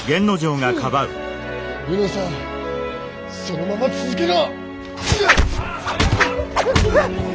卯之さんそのまま続けろ！